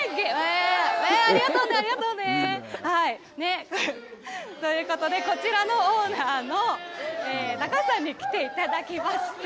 ありがとうね、ありがとうね。ということでこちらのオーナーの高橋さんに来ていただきました。